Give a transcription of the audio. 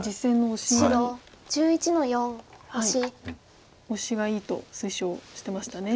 オシがいいと推奨してましたね。